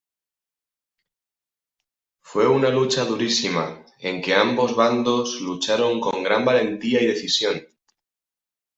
Fue una lucha durísima, en que ambos bandos lucharon con gran valentía y decisión.